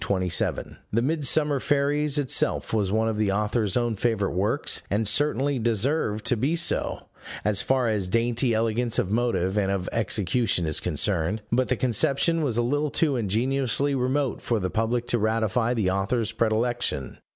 The Midsummer Fairies itself was one of the authors own favorite works, and certainly deserved to be so, as far as dainty elegance of motive and of execution is concerned: but the conception was a little too ingeniously remote for the public to ratify the author's predilection.